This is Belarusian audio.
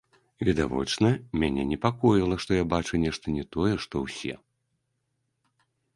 Відавочна, мяне непакоіла, што я бачу нешта не тое, што ўсе.